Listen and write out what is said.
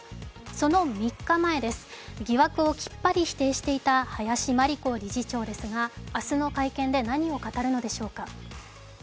その３日前です、疑惑をきっぱり否定していた林真理子理事長ですが明日の会見で何を語るのでしょうか。